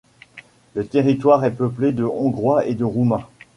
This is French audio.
Le territoire est peuplé de Hongrois et de Roumains.